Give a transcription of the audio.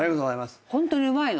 ホントにうまいの。